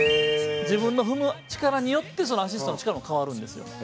自分の踏む力によってアシストの力も変わるんですよ。